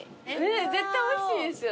絶対おいしいでしょ。